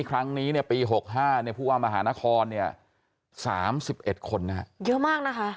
ครั้งนี้ปี๖๕ผู้ว่ามหานคร๓๑คนเยอะมากนะคะ